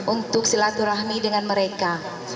untuk silaturahmi dengan mereka